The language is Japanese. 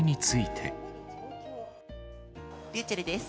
ｒｙｕｃｈｅｌｌです。